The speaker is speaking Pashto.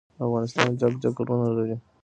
افغانستان جګ جګ غرونه لری.